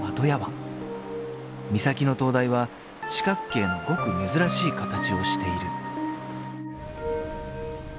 ［岬の灯台は四角形のごく珍しい形をしている］